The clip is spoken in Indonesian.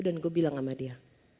dan gue bilang sama dia